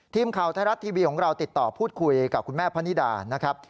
ทีมข่าวไทยรัฐทีวีของเราติดต่อพูดคุยกับคุณแม่พะนิดานะครับ